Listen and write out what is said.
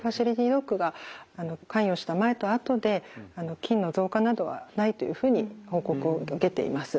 ドッグが関与した前と後で菌の増加などはないというふうに報告を受けています。